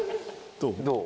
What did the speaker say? どう？